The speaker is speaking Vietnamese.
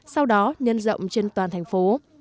sau đó nhân rộng trên toàn thành phố